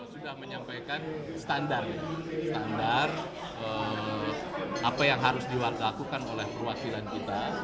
sudah menyampaikan standar ya standar apa yang harus dilakukan oleh perwakilan kita